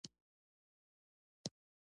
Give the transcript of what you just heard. لکه شمعه تر سهار پوري ننیږم